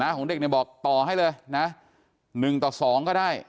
น้าของเด็กเนี่ยบอกต่อให้เลยนะหนึ่งต่อสองก็ได้